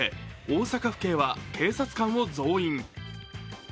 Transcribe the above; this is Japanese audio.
大阪府警は警察官を増員。